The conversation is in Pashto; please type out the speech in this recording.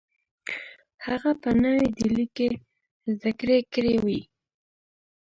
هغه په نوې ډیلي کې زدکړې کړې وې